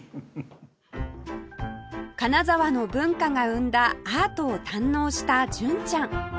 金沢の文化が生んだアートを堪能した純ちゃん